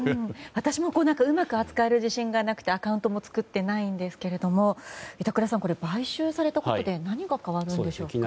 私もうまく扱える自信がなくてアカウントも作ってないんですけれども板倉さん、買収されたことで何が変わるんでしょうか。